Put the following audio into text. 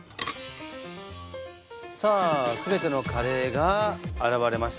さあ全てのカレーが現れました。